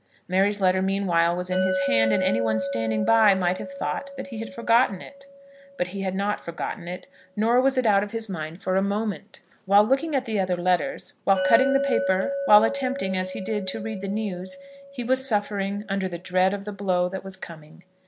Mary's letter meanwhile was in his hand, and anyone standing by might have thought that he had forgotten it. But he had not forgotten it, nor was it out of his mind for a moment. While looking at the other letters, while cutting the paper, while attempting, as he did, to read the news, he was suffering under the dread of the blow that was coming.